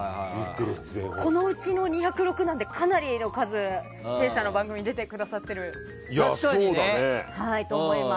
このうちの２０６なのでかなりの数、弊社の番組に出てくださっていると思います。